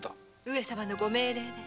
上様のご命令で。